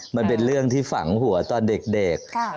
มันเป็นเรื่องที่ฝังหัวตอนเด็ก